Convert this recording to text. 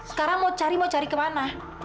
sekarang mau cari mau cari ke mana